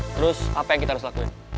terus apa yang kita harus lakuin